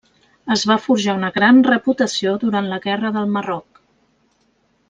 Es va forjar una gran reputació durant la guerra del Marroc.